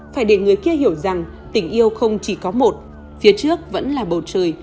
phải để người kia hiểu rằng tình yêu không chỉ có một phía trước vẫn là bầu trời